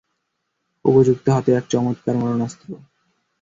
উপযুক্ত হাতে এক চমৎকার মারণাস্ত্র।